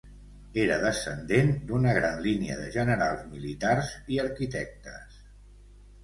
Era descendent d'una gran línia de generals militars i arquitectes.